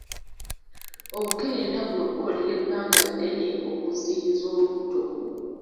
Obukerenda buno bukolera ebbanga ddene okuziyiza olubuto.